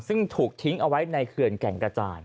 ซึ่งถูกทิ้งเอาไว้ในเขื่อนแก่งกระจาน